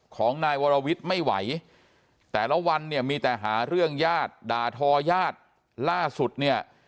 ของนายวรวิทย์ไม่ไหวแต่ละวันเนี่ยมีแต่หาเรื่องญาติด่าทอญาติล่าสุดเนี่ย